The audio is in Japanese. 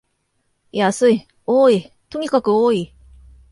安い、多い、とにかく多い